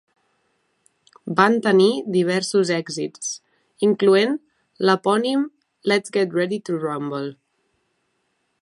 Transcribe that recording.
Van tenir diversos èxits, incloent l'epònim Let's Get Ready to Rhumble.